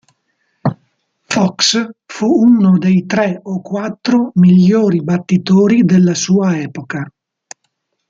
Foxx fu uno dei tre o quattro migliori battitori della sua epoca.